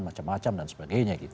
macam macam dan sebagainya gitu